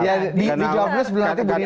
ya dijawabnya sebenarnya